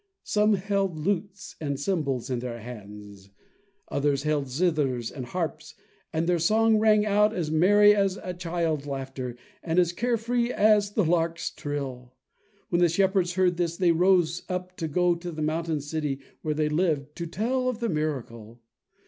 Some held lutes and cymbals in their hands; others held zithers and harps, and their song rang out as merry as child laughter, and as care free as the lark's trill. When the shepherds heard this, they rose up to go to the mountain city, where they lived, to tell of the miracle.